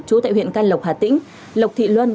trú tại huyện canh lộc hà tĩnh lộc thị luân